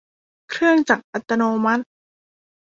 เครื่องจักรอัตโนมัติ